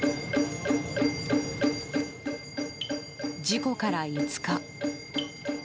事故から５日。